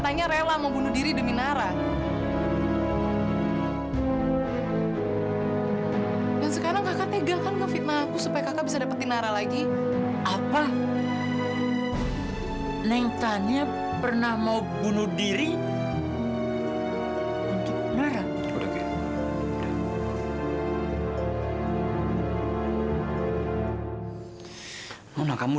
aku mengerti maksud baik kamu